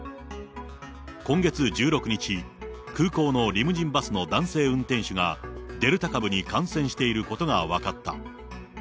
今月１６日、空港のリムジンバスの男性運転手が、デルタ株に感染していることが分かった。